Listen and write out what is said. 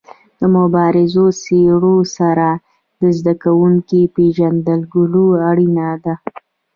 د مبارزو څېرو سره د زده کوونکو پيژندګلوي اړینه ده.